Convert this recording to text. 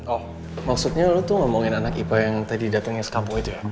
oh maksudnya lo tuh ngomongin anak ipa yang tadi datengnya sekampung aja ya